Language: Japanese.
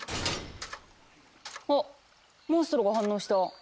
あっモンストロが反応した。